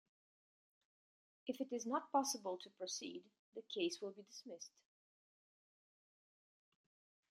If it is not possible to proceed, the case will be dismissed.